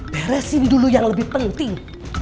beresin dulu yang lebih penting